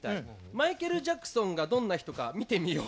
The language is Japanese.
マイケル・ジャクソンがどんな人か見てみよう。